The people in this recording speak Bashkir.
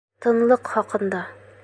Тынлыҡ хаҡында